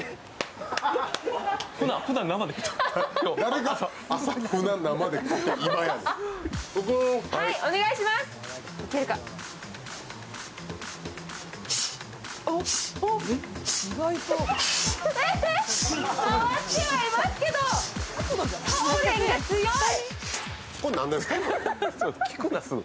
回ってはいますけど、タオレンが強い。